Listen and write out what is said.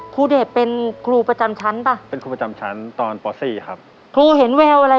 ครูเด็กเป็นครูประจำชั้นป่า